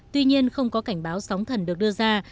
tuy nhiên không có cảnh báo sóng thần được đưa ra